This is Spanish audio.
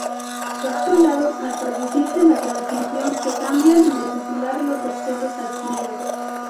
Por otro lado, al producirse la transmisión se cambian de titular los objetos adquiridos.